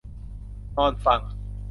นอนฟัง